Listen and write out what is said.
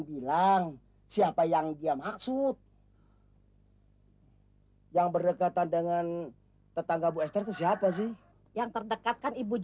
bilang siapa yang dia maksud yang berdekatan dengan tetangga bu esther itu siapa sih yang terdekatkan ibu